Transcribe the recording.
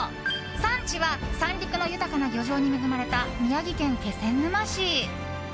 産地は三陸の豊かな漁場に恵まれた宮城県気仙沼市。